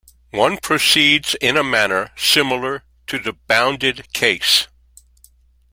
One proceeds in a manner similar to the bounded case.